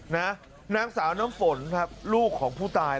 นางสาวน้ำฝนครับลูกของผู้ตาย